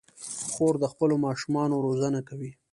خور د خپلو ماشومانو روزنه کوي.